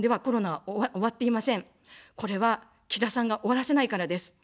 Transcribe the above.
これは、岸田さんが終わらせないからです。